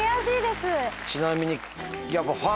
ちなみに。